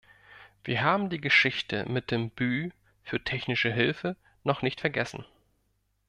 Wir haben die Geschichte mit dem Büfür technische Hilfe noch nicht vergessen.